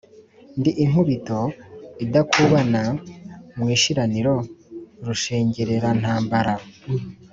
Ndi inkubito idakubana mu ishiraniro, rushengererantambara,